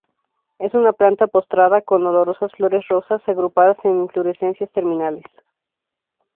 Es una planta postrada, con olorosas flores rosas, agrupadas en inflorescencias terminales.